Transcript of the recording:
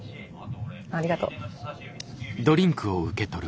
ありがとう。